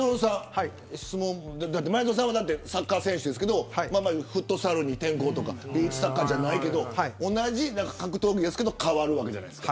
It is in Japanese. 前園さんはサッカー選手ですけどフットサルに転向みたいなことですが同じ格闘技ですけど変わるわけじゃないですか。